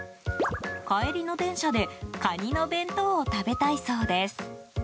帰りの電車でカニの弁当を食べたいそうです。